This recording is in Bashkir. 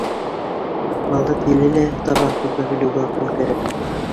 Малды тиле лә таба, тота белеүгә аҡыл кәрәк.